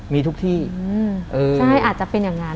มีทุกที่ใช่อาจจะเป็นอย่างนั้น